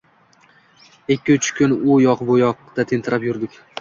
Ikki-uch kun u yoq-bu yoqda tentirab yurdik.